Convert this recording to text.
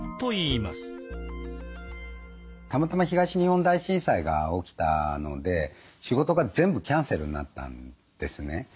たまたま東日本大震災が起きたので仕事が全部キャンセルになったんですね。